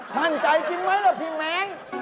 มั่นใจจริงไหมล่ะพี่แมง